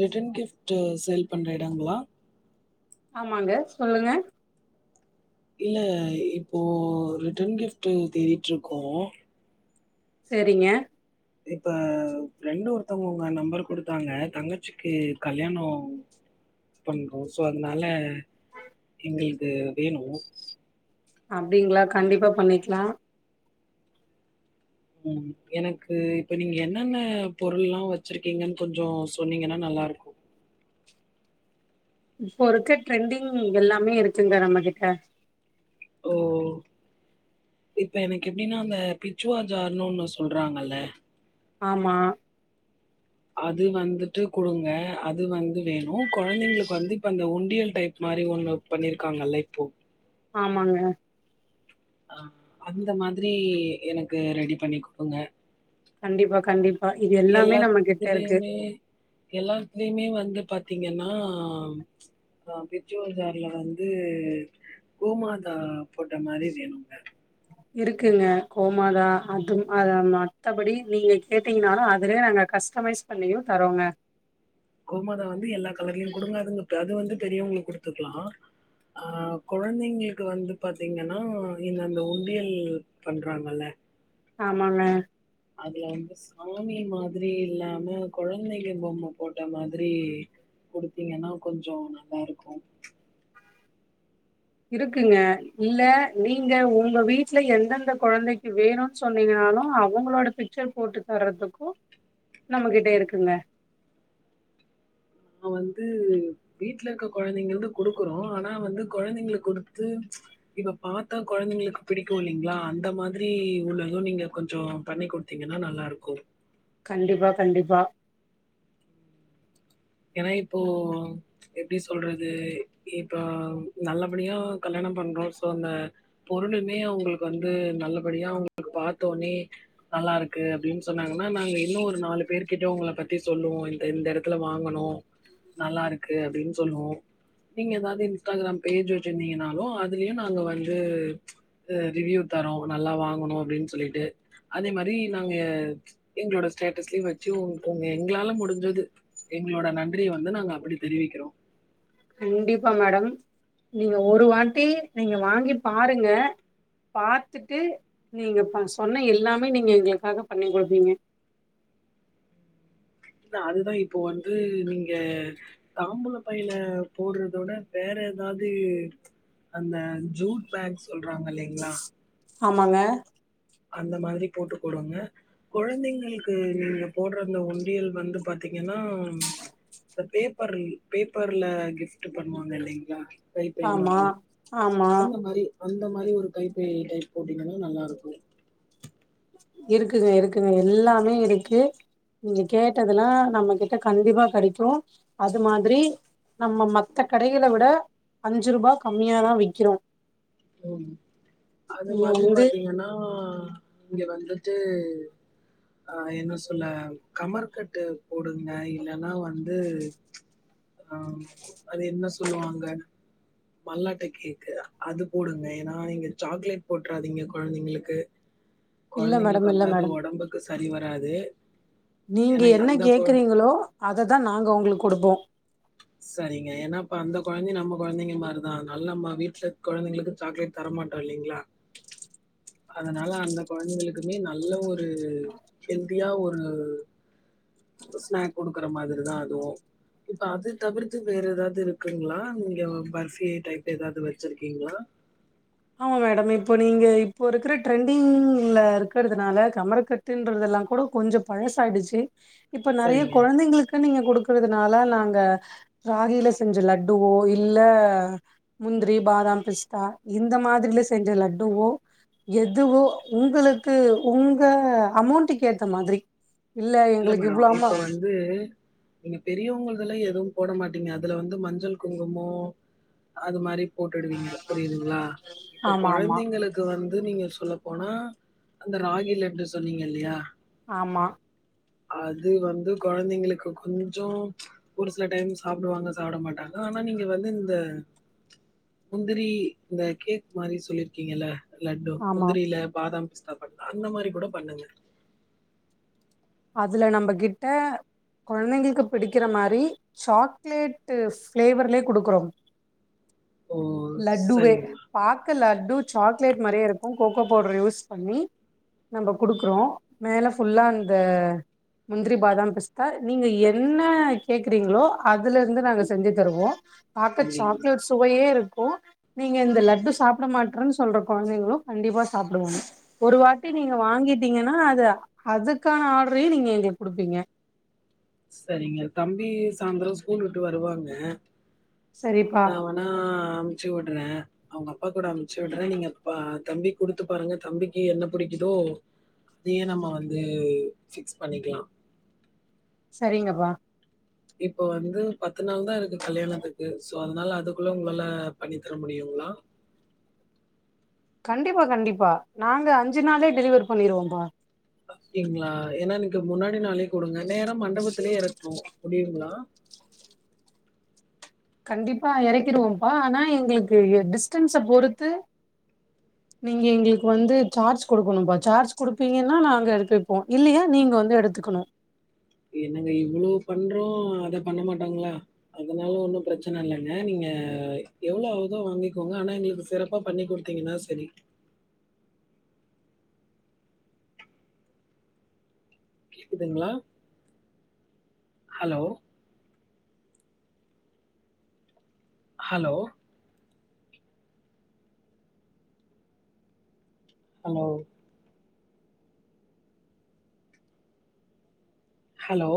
Return gift sale பண்ற எடங்களா ஆமாங்க சொல்லுங்க இல்ல இப்போ ரிட்டன் கிஃப்ட்டு தேடிட்டு இருக்கோ சேரிங்க இப்ப ஃப்ரெண்டு ஒருத்தவுங்க ஒங்க நம்பர் குடுத்தாங்க தங்கச்சிக்கி கல்யாணோ பண்றோ ஸோ அதுனால எங்களுக்கு வேணு அப்டிங்களா கண்டிப்பா பண்ணிக்கலா ம் எனக்கு இப்ப நீங்க என்னென்ன பொருள்ல்லா வச்சிருக்கீங்கன்னு கொஞ்சோ சொன்னீங்கன்னா நல்லா இருக்கு இப்போ இருக்க ட்ரெண்டிங் எல்லாமே இருக்குங்க நம்ம கிட்ட ஓ இப்ப எனக்கு எப்டின்னா அந்த பிச்சுவா ஜார்னுு ஒன்னு சொல்றாங்கல்ல ஆமா அது வந்துட்டு குடுங்க அது வந்து வேணு கொழந்தைங்களுக்கு வந்து இப்ப அந்த உண்டியல் டைப் மாரி ஒன்னு பண்ணிருக்காங்கல்ல இப்போ ஆமாங்க அ அந்த மாதிரி எனக்கு ரெடி பண்ணி குடுங்க கண்டிப்பா கண்டிப்பா இது எல்லாமே நம்ம கிட்ட இருக்கு எல்லாத்துலயுமே எல்லாத்துலயுமே வந்து பாத்தீங்கன்னா ஆ பிச்சுவல்ஜார்ல வந்து கோமாதா போட்ட மாரி வேணுங்க இருக்குங்க கோமாதா அதும் அத மத்தபடி நீங்க கேட்டீங்கனாலு அதுலயே நாங்க கஸ்டமைஸ் பண்ணியு தரோங்க கோமாதா வந்து எல்லா கலர்லயு குடுங்க அது [unintelligible] அது வந்து பெரியவங்களுக்கு குடுத்துக்கலா ஆ கொழந்தைங்களுக்கு வந்து பாத்தீங்கன்னா இந்த அந்த உண்டியல் பண்றாங்கல்ல ஆமாங்க அதுல வந்து சாமி மாதிரி இல்லாம கொழந்தைங்க பொம்ம போட்ட மாதிரி குடுத்தீங்கன்னா கொஞ்சோ நல்லா இருக்கு இருக்குங்க இல்ல நீங்க உங்க வீட்ல எந்தெந்த கொழந்தைக்கு வேணு சொன்னீங்கன்னாலு அவுங்களோட பிக்சர் போட்டு தர்றதுக்கு நம்மகிட்ட இருக்குங்க நா வந்து வீட்ல இருக்க கொழந்தைங்கள்து குடுக்குறோ ஆனா வந்து கொழந்தைகளுக் குடுத்து இப்ப பாத்தா கொழந்தைங்களுக் பிடிக்கு இல்லைங்ளா அந்த மாதிரி உள்ளது நீங்க கொஞ்சோ பண்ணி குட்த்தீங்கனா நல்லாருக்கு கண்டிப்பா கண்டிப்பா ஏனா இப்போ எப்டி சொல்றது இப்போ நல்லபடியா கல்யாணம் பண்றோ சோ அந்த பொருளுமே அவூங்களுக்கு வந்து நல்லபடியா அவுங்களுக்கு பாத்தே ஒன்னே நல்லா இருக்கு அப்டின் சொன்னாங்கன்னா நாங்க இன்னு ஒரு நாலு பேர்கிட்டே உங்கள பத்தி சொல்லுவோ இந்த இந்த எடத்துல வாங் குனோ நல்லா இருக்கு அப்டீன் சொல்லுவோ நீங்கே எதாவ்து இன்ஸ்டாகிராம் பேஜ் வெச்சிருந்தீங்கனாலு அதுலியு நாங்க வந்து அ ரிவ்யூ தரோ நல்லா வாங்குனோ அப்டின் சொல்லிட்டு அதே மாரி நாங்க எங்களோட ஸ்டேட்டஸ்லியு வெச்சி உ உங்க எங்ளாலே முடிஞ்சது எங்களோட நன்றிய வந்து நாங்க அப்பிடி தெரிவிக்கிறோ கண்டிப்பா மேடம் நீங்க ஒரு வாட்டி நீங்க வாங்கி பாருங்க பாத்துட்டு நீங்க ப சொன்ன எல்லாமே நீங்க எங்களுக்காக பண்ணி குடுப்பீங்க இல்ல அதுதா இப்போ வந்து நீங்க தாம்புல பைல போடுறதோட வேற எதாது அந்த ஜூட் பேக் சொல்றாங்கில்லைங்ளா ஆமாங்க அந்த மாதிரி போட்டு குடுங்க கொழந்தைங்களுக்கு நீங்க போடுற அந்த உண்டியல் வந்து பாத்தீங்கன்னா அ பேப்பர் பேப்பர்ல கிஃப்ட்டு பண்வாங்க இல்லைங்ளா கைப்பை ஆமா மாதிரி ஆமா அந்த மாரி அந்த மாரி ஒரு கைப்பை டைப் போட்டீங்கன்னா நல்லா இருக்கு இருக்குங்க இருக்குங்க எல்லாமே இருக்கு நீங்கே கேட்டதுலா நம்ம கிட்ட கண்டிப்பா கெடைக்கு அது மாதிரி நம்ம மத்த கடைகளை விட அஞ்சுருபா கம்மியாதா விக்கிறோ ம் அது நீங்க மாதிரி வந்து பாத்தீங்கன்னா இங்க வந்துட்டு ஆ என்னே சொல்ல கமர்கட்டு போடுங்க இல்லனா வந்து ஆ அது என்ன சொல்லுவாங்க மல்லாட்ட கேக்கு அது போடுங்க ஏனா நீங்க சாக்லேட் போட்றாதீங்க கொழந்தைங்களுக்கு இல்ல கொழந்தைங்களுக்கு மேடம் இல்ல வந்து அது மேடம் ஒடம்புக்கு சரி வராது நீங்க ஏன்னா என்ன அந்த கொ கேக்குறீங்களோ அததா நாங்க உங்களுக் குடுப்போ சரிங்க ஏனா இப்ப அந்த கொழந்த நம்ம கொழந்தைங்க மாரிதா அத்னால் நம்ம வீட்ல கொழந்தைங்ளுக்கு சாக்லேட் தரமாட்டோ இல்லைங்களா அதனால அந்த கொழந்தைகளுக்குமே நல்ல ஒரு ஹெல்தியா ஒரு ஸ்நாக் குடுக்குற மாதிரிதா அதுவு இப்ப அது தவிர்த்து வேற எதாவ்து இருக்குங்ளா நீங்க பஃர்பி ஐட்ட இ துஎதாவ்து வச்சிருக்கீங்ளா ஆமா மேடம் இப்போ நீங்கே இப்போ இருக்கிற ட்ரெண்டிங்ல இருக்கிறதுனால கமர்க்கட் டுன்றதெல்லா கூடோ கொஞ்சோ பழசாய்டுச்சி இப்ப நெறைய சரிங்க. கொழந்தைங்களுக் கு நீங்க குடுக்குறதுனால நாங்க ராகில செஞ்ச லட்டுவோ இல்ல முந்திரி பாதாம் பிஸ்தா இந்த மாதிரிலே செஞ்ச லட்டுவோ எதுவோ உங்களுக்கு உங்க அமௌண்ட்டுக்கு ஏத்த மாதிரி இல்ல எங்களுக்கு இவ்ல ஆமா இது நீங்க பெரியவங்கள்துல்லா எதுவு போட மாட்டீங்க அதுல வந்து மஞ்சள் குங்குமோ அது மாதிரி போட்டுடுவீங்க புரியுதுங்களா இப்போ ஆமா ஆமா குழந்தைங்களுக்கு க்கு வந்து நீங்க சொல்ல போனா அந்த ராகி லாட்டு சொன்னீங்க இல்லயா ஆமா அது வந்து குழந்தைங்களுக்கு கொஞ்சோ ஒரு சில டைம் சாப்டுவாங்க சாப்ட மாட்டாங்க ஆனா நீங்க வந்து இந்த முந்திரி இந்த கேக் மாதிரி சொல்லிருக்கீங்கள்ள லட்டு ஆமா முந்திரியில பாதாம் பிஸ்தா பண்ணலா அந்த மாதிரி கூட பண்ணுங்க அதுல நம்ம கிட்ட குழந்தைங்களுக்கு பிடிக்கிற மாதிரி சாக்லேட்டு ஃப்ளேவர்லே கொடுக்குறோம் ஓ லட்டுவே சரிங்கம்மா பார்க லட்டு சாக்லேட் மாறியே இருக்கும் கோகோ பவுடர் யூஸ் பண்ணி நம்ம கொடுக்குறோம் மேலே ஃபுல்லா அந்த முந்திரி பாதான் பிஸ் நீங்க என்ன கேக்குறீங்களோ அதுல இருந்து நாங்க செஞ்சு தருவோ பாக்க அப்டிங்களா சாக்லேட் சுவையே இருக்கு இப்போ நீங்க இந்த லட்டு சாப்ட மாட்டன்னு சொல்ற குழந்தைங்களு கண்டிப்பா சாப்டுவாங்க ஒரு வாட்டி நீங்க வாங்கிட்டீங்கன்னா அது அதுக்கான ஆர்டரையு நீங்க எங்களுக்கு கொடுப்பீங்க சரிங்க தம்பி சாயந்திர ஸ்கூல் விட்டு வருவாங்க சரிப்பா நா நா அமுச்சு விடுற அவங்க அப்பா கூட அமுச்சு விடுற நீங்கப்ப தம்பி கொடுத்து பாருங்க தம்பிக்கு என்ன பிடிக்குதோ அதய நம்ம வந்து ஃபிக்ஸ் பண்ணிக்கலா சரிங்கப்பா இப்ப வந்து பத்து நாள் தா இருக்கு கல்யாணத்துக்கு சோ அதனால அதுக்குள்ள உங்களால பண்ணி தர முடியுங்களா கண்டிப்பா கண்டிப்பா நாங்க அஞ்சு நாளே டெலிவர் பண்ணிடுவோப்பா அப்டிங்களா ஏன்னா எனக்கு முன்னாடி நாளே கொடுங்க நேரா மண்டபத்திலயே இறக்கணு முடியுங்களா கண்டிப்பா இறக்கிடுவோம்ப்பா ஆனா எங்களுக்கு டிஸ்டன்ஸ பொறுத்து நீங்க எங்களுக்கு வந்து சார்ஜ் கொடுக்கணும்ப்பா சார்ஜ் கொடுப்பீங்கன்னா நா நாங்க எடுத்து வைப்போம் இல்லயா நீங்க வந்து எடுத்துக்கணு என்னங்க இவ்ளோ பண்றோ அத பண்ண மாட்டாங்களா அதனால ஒன்னு பிரச்சன இல்லங்க நீங்க எவ்ளோ ஆகுதோ வாங்கிக்கோங்க ஆனா எங்களுக்கு சிறப்பா பண்ணி கொடு த்தீங்கன்னா சரி கேக்குதுங்களா ஹலோ ஹலோ ஹலோ ஹலோ